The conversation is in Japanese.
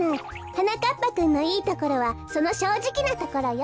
はなかっぱくんのいいところはそのしょうじきなところよ。